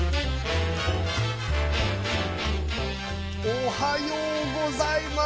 おはようございます！